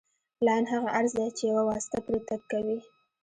لاین هغه عرض دی چې یوه واسطه پرې تګ کوي